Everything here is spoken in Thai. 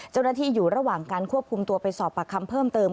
เจ้าหน้าที่อยู่ระหว่างการควบคุมตัวไปสอบปากคำเพิ่มเติม